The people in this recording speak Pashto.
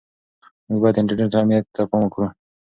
موږ باید د انټرنیټ امنیت ته پام وکړو.